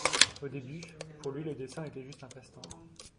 Au début, pour lui le dessin était juste un passe temps.